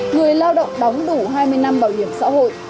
người lao động đóng đủ hai mươi năm bảo hiểm xã hội